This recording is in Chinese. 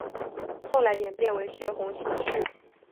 后来演变为斜红型式。